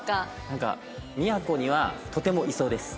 なんか宮古にはとてもいそうです。